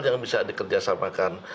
yang bisa dikerjasamakan